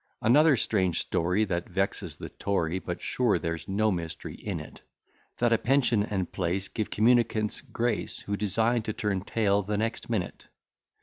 Another strange story That vexes the Tory, But sure there's no mystery in it, That a pension and place Give communicants grace, Who design to turn tail the next minute.